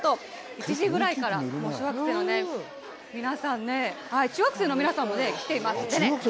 １時ぐらいから、もう小学生の皆さんね、中学生の皆さんもね、きていますね。